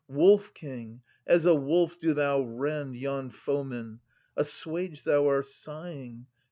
Wolf king, as a wolf do thou rend Yon foemen : assuage thou our sighing.